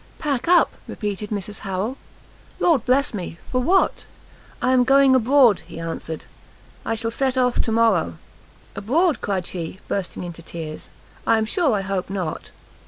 "Pack up?" repeated Mrs Harrel, "Lord bless me, for what?" "I am going abroad," he answered; "I shall set off to morrow." "Abroad?" cried she, bursting into tears, "I am sure I hope not!"